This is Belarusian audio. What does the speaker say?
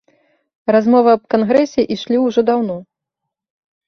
Размовы аб кангрэсе ішлі ўжо даўно.